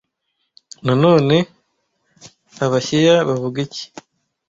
Nanone Abashiya bavuga iki